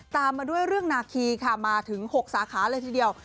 ตามมาด้วยเรื่องนาคีค่ะมาถึง๖สาขาเลยทีเดียว